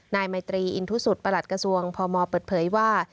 นายไมตรีอินทุสุทธิประหลัดกระทรวงพมเปิดเผยว่า